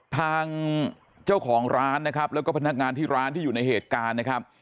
ทางเจ้าของร้านนะครับแล้วก็พนักงานที่ร้านที่อยู่ในเหตุการณ์นะครับ